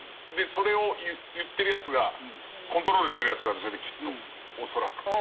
でそれを言ってるやつがコントロールしてるやつなんですよねきっと恐らく。